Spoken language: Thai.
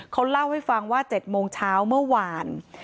เขาเล่าให้ฟังว่า๗โมงเช้าเมื่อวาน